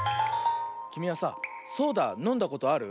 きみはさソーダのんだことある？